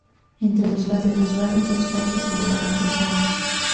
Entre sus brazos dos flechas en oro cruzadas.